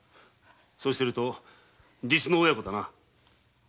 そうしてると実の親子だな。